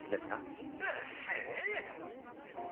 うっせぇ！